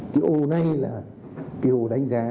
cái hồ này là cái hồ đánh giá